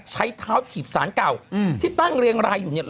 ใช้เท้าถีบสารเก่าที่ตั้งเรียงรายอยู่เนี่ย